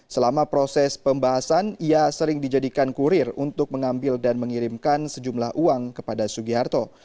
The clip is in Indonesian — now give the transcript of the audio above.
selama proses pembahasan ia sering dijadikan kurir untuk mengambil dan mengirimkan sejumlah uang kepada sugiharto